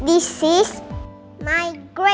ini keluarga gua